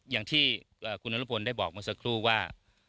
อย่างที่คุณนรพลได้บอกเมื่อสักครู่ว่า